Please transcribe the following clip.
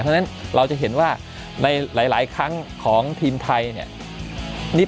เพราะฉะนั้นเราจะเห็นว่าในหลายครั้งของทีมไทยเนี่ย